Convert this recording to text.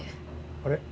あれ？